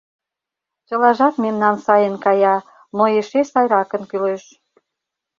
Чылажат мемнан сайын кая, но эше сайракын кӱлеш.